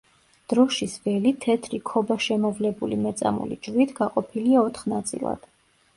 დროშის ველი თეთრი ქობაშემოვლებული მეწამული ჯვრით გაყოფილია ოთხ ნაწილად.